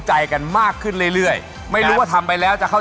โชคความแม่นแทนนุ่มในศึกที่๒กันแล้วล่ะครับ